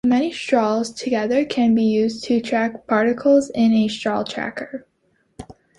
Many straws together can be used to track particles in a straw tracker.